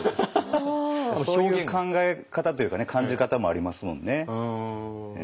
そういう考え方というかね感じ方もありますもんね。